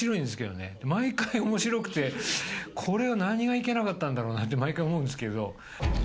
毎回面白くてこれは何がいけなかったんだろうなって毎回思うんですけれど。